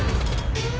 えっ！？